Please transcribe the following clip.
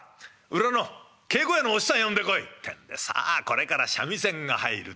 裏の稽古屋のお師匠さん呼んでこい」ってんでこれから三味線が入る。